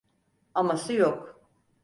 Aması yok.